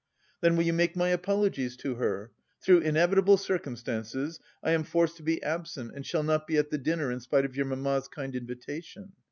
"Then will you make my apologies to her? Through inevitable circumstances I am forced to be absent and shall not be at the dinner in spite of your mamma's kind invitation."